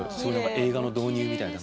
映画の導入みたいだな。